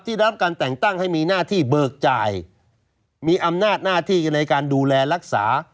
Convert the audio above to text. ได้รับการแต่งตั้งให้มีหน้าที่เบิกจ่ายมีอำนาจหน้าที่ในการดูแลรักษา